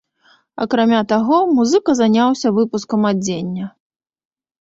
Акрамя таго, музыка заняўся выпускам адзення.